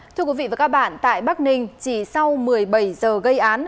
thưa quý vị và các bạn tại bắc ninh chỉ sau một mươi bảy giờ gây án